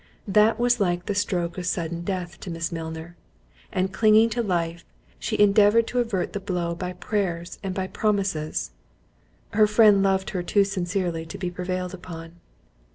This was like the stroke of sudden death to Miss Milner, and clinging to life, she endeavoured to avert the blow by prayers, and by promises. Her friend loved her too sincerely to be prevailed upon.